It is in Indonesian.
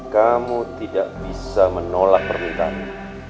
kamu tidak bisa menolak permintaanmu